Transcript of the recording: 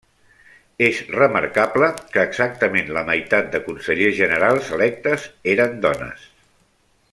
És remarcable que exactament la meitat de consellers generals electes eren dones.